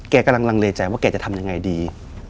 กำลังลังเลใจว่าแกจะทำยังไงดี